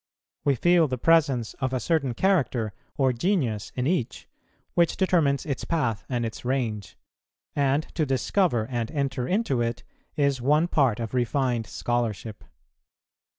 We feel the presence of a certain character or genius in each, which determines its path and its range; and to discover and enter into it is one part of refined scholarship.